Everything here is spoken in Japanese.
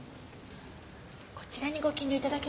こちらにご記入頂けますか？